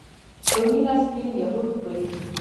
په مينه سپين يهود خپلېږي